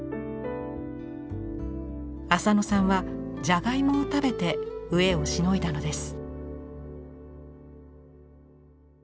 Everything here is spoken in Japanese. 浅野さんはじゃがいもを食べて飢えをしのいだのです。